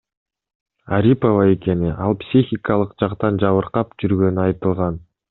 Арипова экени, ал психикалык жактан жабыркап жүргөнү айтылган.